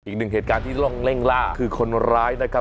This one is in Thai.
อีกหนึ่งเหตุการณ์ที่ต้องเร่งล่าคือคนร้ายนะครับ